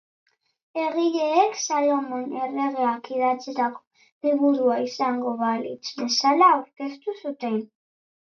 Egileek Salomon erregeak idatzitako liburua izango balitz bezala aurkeztu zuten.